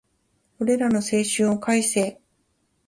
俺らの青春を返せ